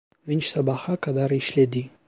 Vinç sabaha kadar işledi.